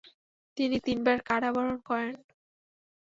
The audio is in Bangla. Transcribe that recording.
তিনি তিনবার কারাবরণ করেন।